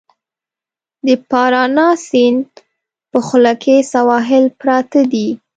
د پارانا سیند په خوله کې سواحل پراته دي.